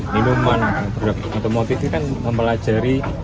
limuman produk otomotif itu kan mempelajari